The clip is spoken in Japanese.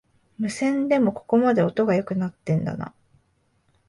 無線でもここまで音が良くなってんだな